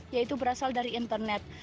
yaitu berasal dari internet